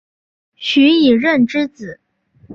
徐以任之子。